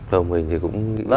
rồi mình thì cũng